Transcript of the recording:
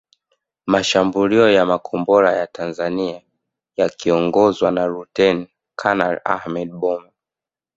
Mashambulio ya makombora ya Tanzania yakiongozwa na Luteni Kanali Ahmed Boma